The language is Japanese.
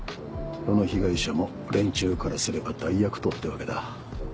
どの被害者も連中からすれば大悪党ってわけだ。